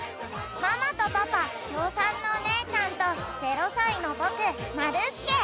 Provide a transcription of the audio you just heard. ママとパパ小３のおねえちゃんと０さいのぼくまるすけ。